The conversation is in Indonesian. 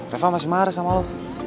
reva masih marah sama lo